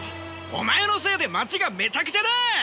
お前のせいで街がめちゃくちゃだ！